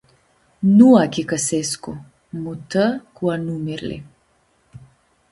“Nu achicãsescu”, mutã cu anumirli.